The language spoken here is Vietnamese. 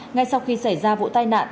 ngay sau khi xảy ra vụ tai nạn